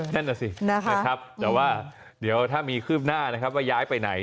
แน่นละสินะคะแต่ว่าถ้ามีขึ้บหน้าว่าย้ายไปไหน